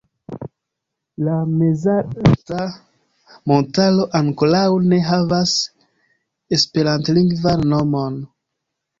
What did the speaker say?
La mezalta montaro ankoraŭ ne havas esperantlingvan nomon.